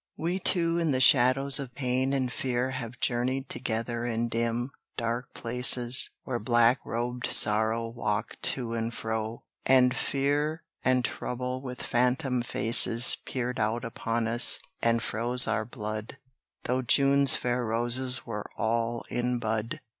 We two in the shadows of pain and fear Have journeyed together in dim, dark places, Where black robed sorrow walked to and fro, And fear and trouble with phantom faces Peered out upon us, and froze our blood, Though June's fair roses were all in bud.